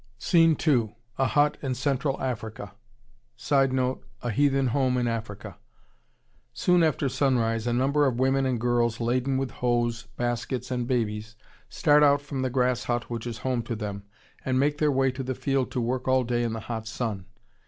Scene Two: A hut in Central Africa. [Sidenote: A heathen home in Africa.] Soon after sunrise a number of women and girls, laden with hoes, baskets, and babies, start out from the grass hut which is home to them, and make their way to the field to work all day in the hot sun.